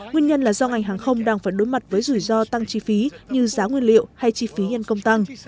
nguyên nhân là do ngành hàng không đang phải đối mặt với rủi ro tăng chi phí như giá nguyên liệu hay chi phí nhân công tăng